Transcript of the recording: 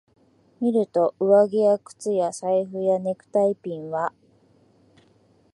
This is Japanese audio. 見ると、上着や靴や財布やネクタイピンは、